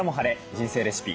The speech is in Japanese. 人生レシピ」